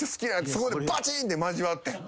そこでバチン！って交わってん。